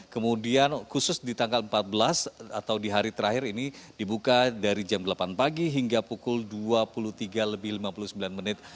kemudian khusus di tanggal empat belas atau di hari terakhir ini dibuka dari jam delapan pagi hingga pukul dua puluh tiga lebih lima puluh sembilan menit